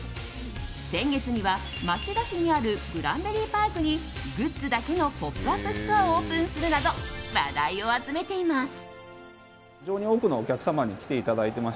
先月には、町田市にあるグランベリーパークにグッズだけのポップアップストアをオープンするなど話題を集めています。